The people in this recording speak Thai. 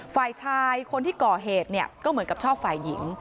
ฝ่ายชายคนที่ก่อเหตุเนี่ยก็เหมือนกับชอบฝ่ายหญิง